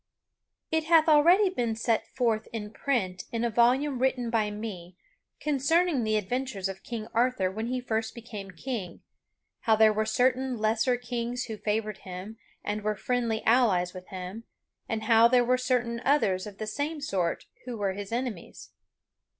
It hath already been set forth in print in a volume written by me concerning the adventures of King Arthur when he first became king, how there were certain lesser kings who favored him and were friendly allies with him, and how there were certain others of the same sort who were his enemies.